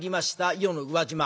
伊予の宇和島。